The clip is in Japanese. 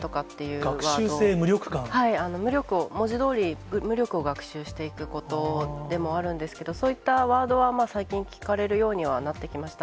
はい、無力を、文字どおり、無力を学習していくことでもあるんですけれども、そういったワードは最近、聞かれるようにはなってきました。